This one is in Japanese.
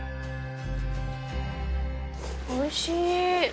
おいしい。